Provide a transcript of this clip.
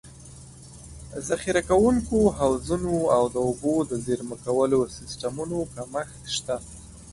ذخیره کوونکو حوضونو او د اوبو د زېرمه کولو سیستمونو کمښت شته.